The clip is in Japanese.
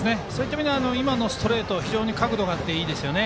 今のストレート角度があっていいですね。